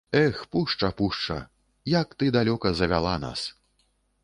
Эх, пушча, пушча, як ты далёка завяла нас.